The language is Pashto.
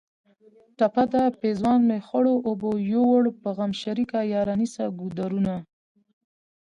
ټپه ده: پېزوان مې خړو اوبو یوړ په غم شریکه یاره نیسه ګودرونه